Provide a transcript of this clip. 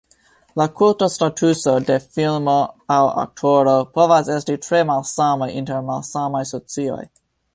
La kulta statuso de filmo aŭ aktoro povas esti tre malsama inter malsamaj socioj.